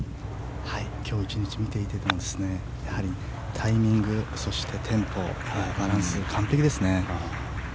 今日１日見ていてもタイミング、そしてテンポバランス、完璧ですね。